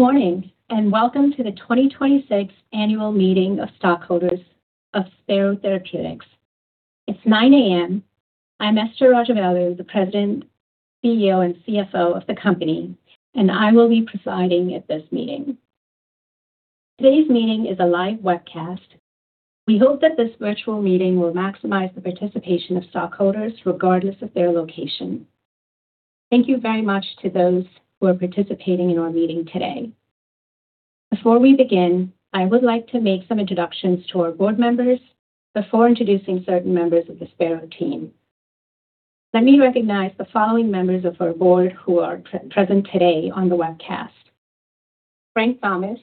Good morning, and welcome to the 2026 Annual Meeting of Stockholders of Spero Therapeutics. It is 9:00 A.M. I am Esther Rajavelu, the President, CEO, and CFO of the company, and I will be presiding at this meeting. Today's meeting is a live webcast. We hope that this virtual meeting will maximize the participation of stockholders regardless of their location. Thank you very much to those who are participating in our meeting today. Before we begin, I would like to make some introductions to our board members before introducing certain members of the Spero team. Let me recognize the following members of our board who are present today on the webcast: Frank Thomas,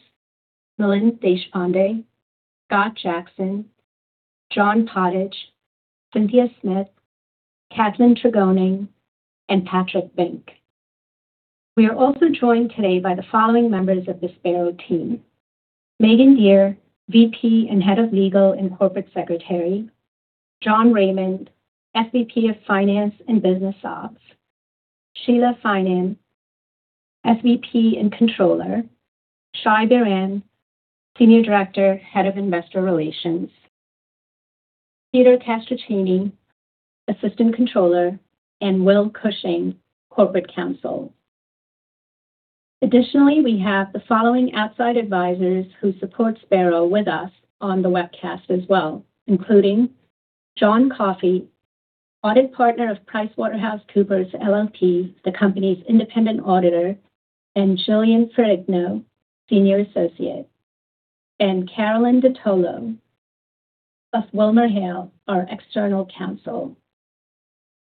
Milind Deshpande, Scott Jackson, John Pottage, Cynthia Smith, Kathleen Tregoning, and Patrick Vink. We are also joined today by the following members of the Spero team: Maegan Deare, VP and Head of Legal and Corporate Secretary, John Raymond, SVP of Finance and Business Ops, Sheila Finan, SVP and Controller, Shai Biran, Senior Director, Head of Investor Relations, Peter Castrichini, Assistant Controller, and Will Cushing, Corporate Counsel. Additionally, we have the following outside advisors who support Spero with us on the webcast as well, including John Coffey, Audit Partner of PricewaterhouseCoopers LLP, the company's Independent Auditor, and Jillian Ferrigno, Senior Associate, and Caroline Dotolo of WilmerHale, our External Counsel.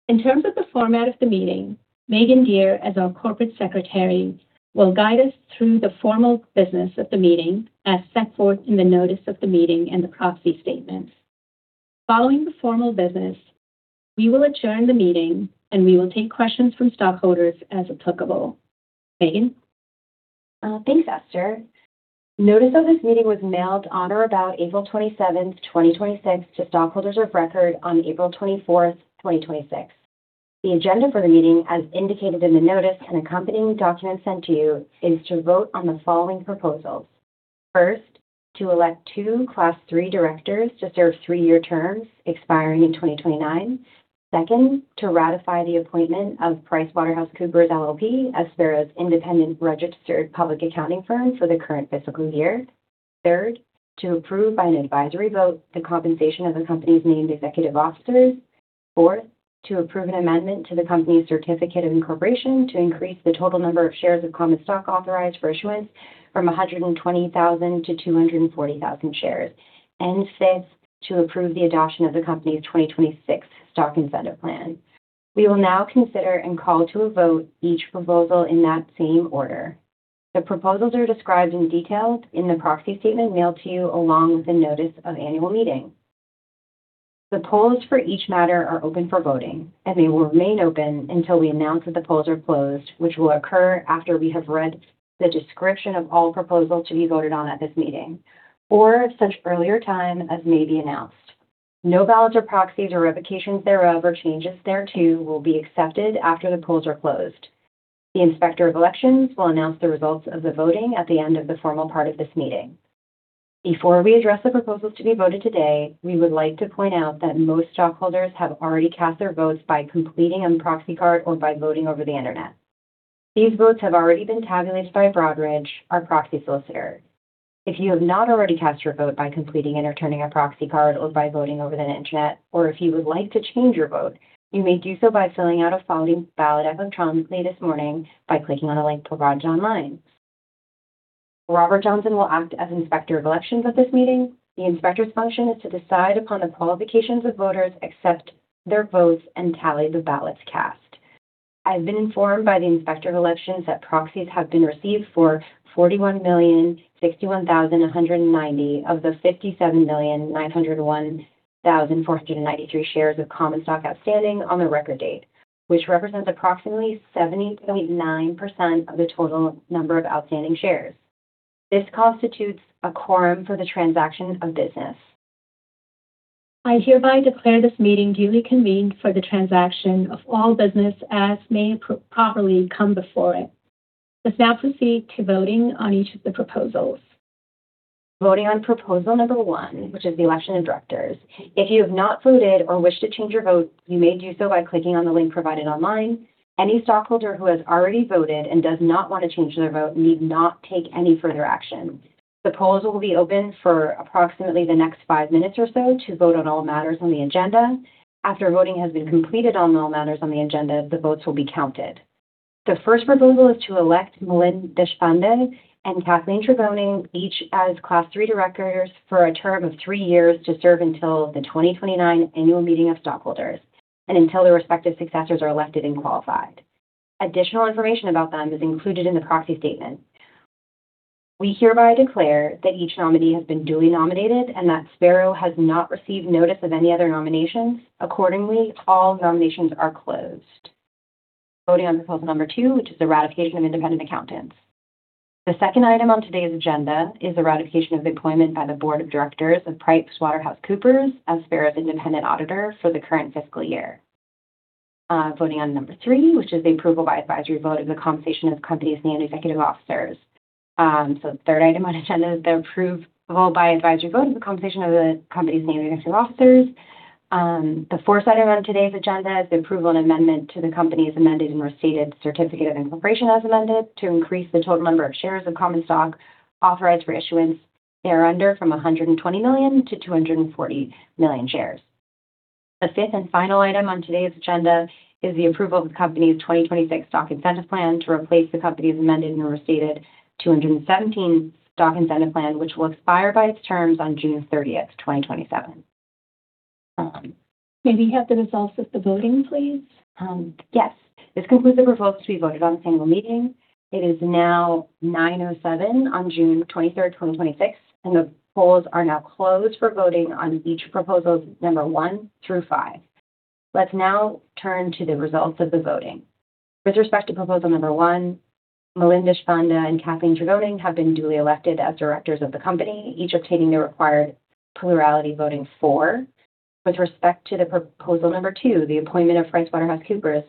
In terms of the format of the meeting, Maegan Deare, as our Corporate Secretary, will guide us through the formal business of the meeting as set forth in the notice of the meeting and the proxy statements. Following the formal business, we will adjourn the meeting. We will take questions from stockholders as applicable. Maegan? Thanks, Esther. Notice of this meeting was mailed on or about April 27th, 2026, to stockholders of record on April 24th, 2026. The agenda for the meeting, as indicated in the notice and accompanying documents sent to you, is to vote on the following proposals. First, to elect two Class III directors to serve three-year terms expiring in 2029. Second, to ratify the appointment of PricewaterhouseCoopers LLP as Spero's independent registered public accounting firm for the current fiscal year. Third, to approve by an advisory vote the compensation of the company's named executive officers. Fourth, to approve an amendment to the company's certificate of incorporation to increase the total number of shares of common stock authorized for issuance from 120,000-240,000 shares. Fifth, to approve the adoption of the company's 2026 stock incentive plan. We will now consider and call to a vote each proposal in that same order. The proposals are described in detail in the proxy statement mailed to you along with the notice of annual meeting. The polls for each matter are open for voting, and they will remain open until we announce that the polls are closed, which will occur after we have read the description of all proposals to be voted on at this meeting or such earlier time as may be announced. No ballots or proxies or revocations thereof or changes thereto will be accepted after the polls are closed. The Inspector of Elections will announce the results of the voting at the end of the formal part of this meeting. Before we address the proposals to be voted today, we would like to point out that most stockholders have already cast their votes by completing a proxy card or by voting over the Internet. These votes have already been tabulated by Broadridge, our proxy solicitor. If you have not already cast your vote by completing and returning a proxy card or by voting over the Internet, or if you would like to change your vote, you may do so by filling out a voting ballot electronically this morning by clicking on the link provided online. Robert Johnson will act as Inspector of Elections at this meeting. The inspector's function is to decide upon the qualifications of voters, accept their votes, and tally the ballots cast. I've been informed by the Inspector of Elections that proxies have been received for 41,061,190 of the 57,901,493 shares of common stock outstanding on the record date, which represents approximately 70.9% of the total number of outstanding shares. This constitutes a quorum for the transaction of business. I hereby declare this meeting duly convened for the transaction of all business as may properly come before it. Let's now proceed to voting on each of the proposals. Voting on proposal number one, which is the election of directors. If you have not voted or wish to change your vote, you may do so by clicking on the link provided online. Any stockholder who has already voted and does not want to change their vote need not take any further action. The polls will be open for approximately the next five minutes or so to vote on all matters on the agenda. After voting has been completed on all matters on the agenda, the votes will be counted. The first proposal is to elect Milind Deshpande and Kathleen Tregoning, each as Class III directors for a term of three years to serve until the 2029 annual meeting of stockholders and until their respective successors are elected and qualified. Additional information about them is included in the proxy statement. We hereby declare that each nominee has been duly nominated and that Spero has not received notice of any other nominations. Accordingly, all nominations are closed. Voting on proposal number two, which is the ratification of independent accountants. The second item on today's agenda is the ratification of the appointment by the Board of Directors of PricewaterhouseCoopers as Spero's independent auditor for the current fiscal year. Voting on number three, which is the approval by advisory vote of the compensation of the company's named executive officers. The third item on the agenda is the approval by advisory vote of the compensation of the company's named executive officers. The fourth item on today's agenda is the approval and amendment to the company's amended and restated certificate of incorporation as amended to increase the total number of shares of common stock authorized for issuance thereunder from 120 million-240 million shares. The fifth and final item on today's agenda is the approval of the company's 2026 stock incentive plan to replace the company's amended and restated 2017 stock incentive plan, which will expire by its terms on June 30th, 2027. May we have the results of the voting, please? Yes. This concludes the proposals to be voted on at the annual meeting. It is now 9:07 A.M. on June 23rd, 2026, and the polls are now closed for voting on each proposal number one through five. Let's now turn to the results of the voting. With respect to proposal number one, Milind Deshpande and Kathleen Tregoning have been duly elected as directors of the company, each obtaining the required plurality voting for. With respect to proposal number two, the appointment of PricewaterhouseCoopers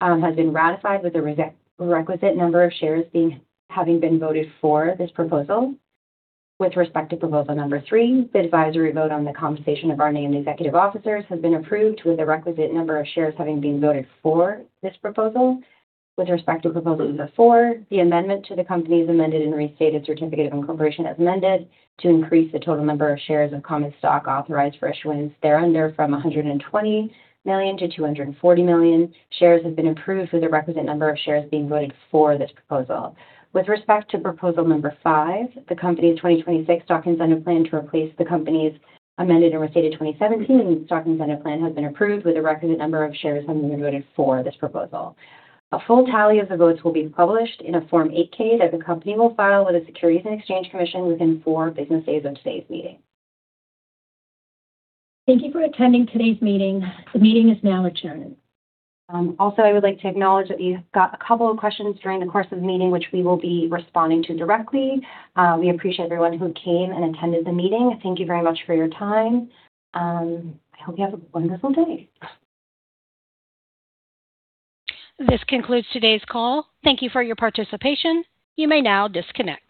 has been ratified with the requisite number of shares having been voted for this proposal. With respect to proposal number three, the advisory vote on the compensation of our named executive officers has been approved with the requisite number of shares having been voted for this proposal. With respect to proposal number four, the amendment to the company's amended and restated certificate of incorporation as amended to increase the total number of shares of common stock authorized for issuance thereunder from 120 million-240 million shares has been approved with the requisite number of shares being voted for this proposal. With respect to proposal number five, the company's 2026 stock incentive plan to replace the company's amended and restated 2017 stock incentive plan has been approved with the requisite number of shares having been voted for this proposal. A full tally of the votes will be published in a Form 8-K that the company will file with the Securities and Exchange Commission within four business days of today's meeting. Thank you for attending today's meeting. The meeting is now adjourned. I would like to acknowledge that we've got a couple of questions during the course of the meeting, which we will be responding to directly. We appreciate everyone who came and attended the meeting. Thank you very much for your time. I hope you have a wonderful day. This concludes today's call. Thank you for your participation. You may now disconnect.